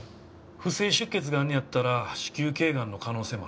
不正出血があんねやったら子宮頸癌の可能性もあるな。